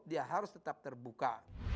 dia harus tetap terbuka